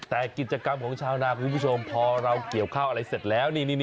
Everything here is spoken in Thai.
แต่กิจกรรมของชาวนาคุณผู้ชมพอเราเกี่ยวข้าวอะไรเสร็จแล้ว